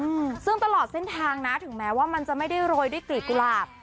อืมซึ่งตลอดเส้นทางนะถึงแม้ว่ามันจะไม่ได้โรยด้วยกลีบกุหลาบ